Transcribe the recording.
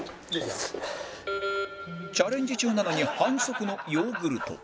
チャレンジ中なのに反則のヨーグルト